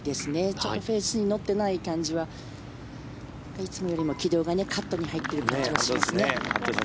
ちょっとフェースに乗ってない感じはいつもより軌道がカットに入っている感じはしますね。